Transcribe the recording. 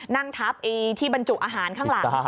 นั่งทับที่บรรจุอาหารข้างหลัง